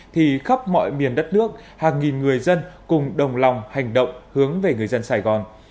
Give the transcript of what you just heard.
thì khắp mọi miền đất nước hàng nghìn người dân cùng đồng lòng hành động hướng về người dân sài gòn